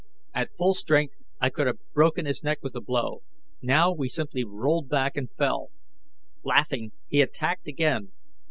At full strength, I could have broken his neck with the blow. Now, he simply rolled back and fell. Laughing, he attacked again.